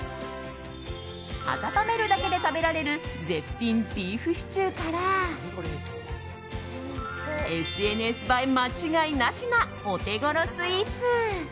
温めるだけで食べられる絶品ビーフシチューからＳＮＳ映え間違いなしなオテゴロスイーツ。